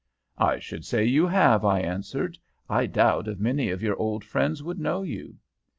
"'I should say you had,' I answered. 'I doubt if many of your old friends would know you.'